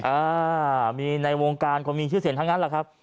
อ่ามีในวงการคนมีชื่อเสียงทั้งนั้นแหละครับ